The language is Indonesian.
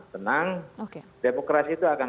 tenang demokrasi itu akan